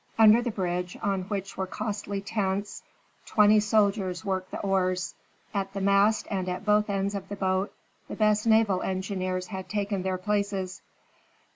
Under the bridge, on which were costly tents, twenty soldiers worked the oars, at the mast and at both ends of the boat the best naval engineers had taken their places.